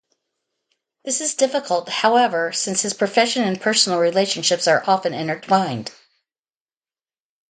This is difficult, however, since his profession and personal relationships are often intertwined.